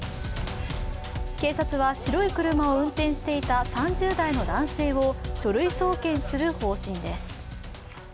警察は白い車を運転していた３０代の男性を書類送検する方針です。